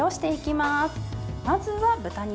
まずは豚肉。